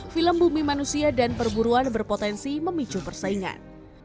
film bumi manusia dan perburuan berpotensi memicu persaingan